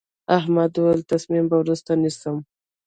احمد وويل: تصمیم به وروسته نیسم.